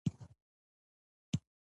ژوندون نه دی زخم، زخم د ناسور دی